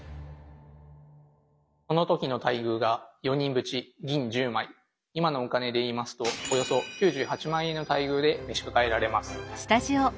その時の待遇が今のお金で言いますとおよそ９８万円の待遇で召し抱えられます。